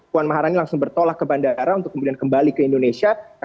puan maharani langsung bertolak ke bandara untuk kemudian kembali ke indonesia